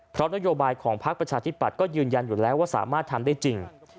เพราะนโยบายของพักประชาธิปัตย์ก็ยืนยันอยู่แล้วว่าสามารถทำได้จริง